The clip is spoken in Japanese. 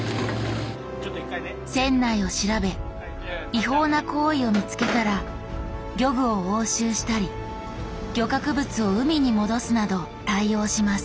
船内を調べ違反な行為を見つけたら漁具を押収したり漁獲物を海に戻すなど対応します。